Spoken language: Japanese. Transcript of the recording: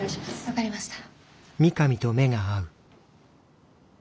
分かりました。